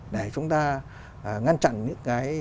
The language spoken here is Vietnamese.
để chúng ta ngăn chặn những cái